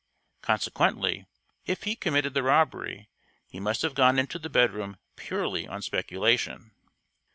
Consequently, if he committed the robbery, he must have gone into the bedroom purely on speculation.